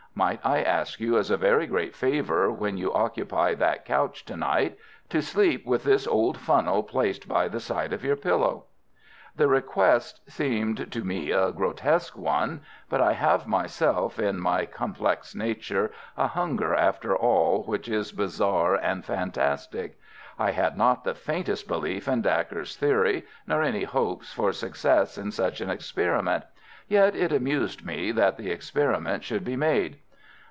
Might I ask you as a very great favour, when you occupy that couch to night, to sleep with this old funnel placed by the side of your pillow?" The request seemed to me a grotesque one; but I have myself, in my complex nature, a hunger after all which is bizarre and fantastic. I had not the faintest belief in Dacre's theory, nor any hopes for success in such an experiment; yet it amused me that the experiment should be made.